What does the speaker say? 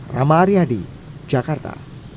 rama aryadi jakarta